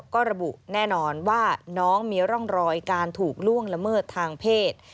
ก็ระบุแน่นอนว่าน้องมีร่องรอยการถูกล่วงละเมิดทางเพศ